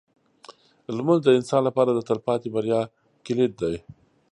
لمونځ د انسان لپاره د تلپاتې بریا کلید دی.